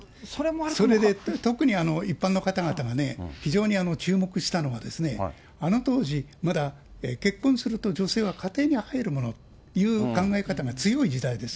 それで特に、一般の方々がね、非常に注目したのが、あの当時、まだ結婚すると女性は家庭に入るものという考え方が強い時代です。